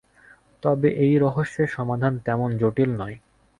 তবে এই রহস্যের সমাধান তেমন জটিল নয়।